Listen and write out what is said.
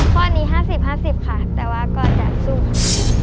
ข้อนี้๕๐๕๐ค่ะแต่ว่าก็จะสู้ค่ะ